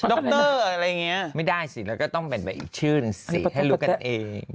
ดรอะไรอย่างนี้ไม่ได้สิแล้วก็ต้องเป็นไปอีกชื่นสิให้รู้กันเอง